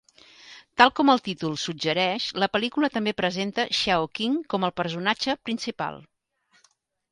Tal com el títol suggereix, la pel·lícula també presenta Xiaoqing com el personatge principal.